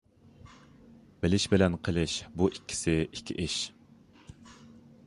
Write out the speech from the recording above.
بىلىش بىلەن قىلىش بۇ ئىككىسى ئىككى ئىش.